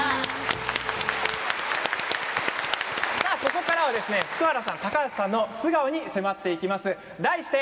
ここからは福原さん、高橋さんの素顔に迫っていきます。